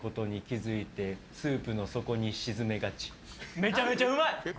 めちゃめちゃうまい。